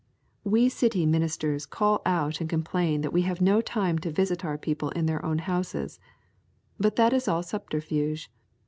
We city ministers call out and complain that we have no time to visit our people in their own houses; but that is all subterfuge.